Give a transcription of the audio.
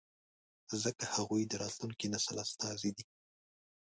ځکه هغوی د راتلونکي نسل استازي دي.